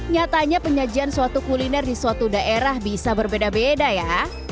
nyatanya penyajian suatu kuliner di suatu daerah bisa berbeda beda ya